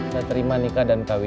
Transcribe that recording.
karena kamu udah pertama